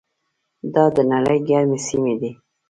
دا د نړۍ ګرمې سیمې دي.